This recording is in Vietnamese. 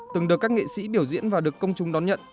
từng được các nghệ sĩ biểu diễn và được công chúng đón nhận